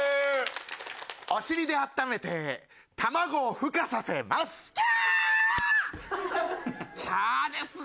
お尻であっためて卵をふ化させます！